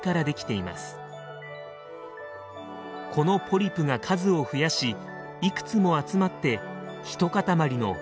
このポリプが数を増やしいくつも集まって一塊の「群体」を作るのです。